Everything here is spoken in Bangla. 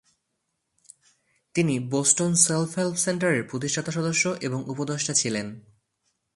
তিনি বোস্টন সেলফ-হেল্প সেন্টারের প্রতিষ্ঠাতা সদস্য এবং উপদেষ্টা ছিলেন।